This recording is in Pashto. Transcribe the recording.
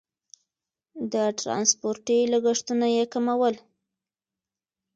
د ټرانسپورتي لګښتونه یې کمول.